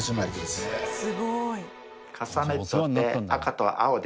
すごい。